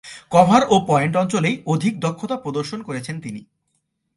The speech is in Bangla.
কভার ও পয়েন্ট অঞ্চলেই অধিক দক্ষতা প্রদর্শন করেছেন তিনি।